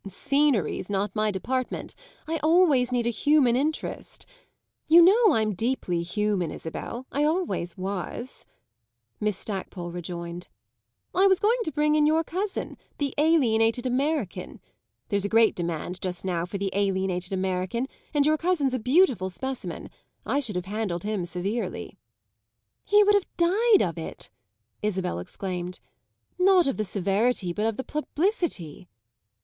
"Scenery's not my department; I always need a human interest. You know I'm deeply human, Isabel; I always was," Miss Stackpole rejoined. "I was going to bring in your cousin the alienated American. There's a great demand just now for the alienated American, and your cousin's a beautiful specimen. I should have handled him severely." "He would have died of it!" Isabel exclaimed. "Not of the severity, but of the publicity."